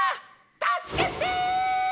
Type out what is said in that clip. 助けてー！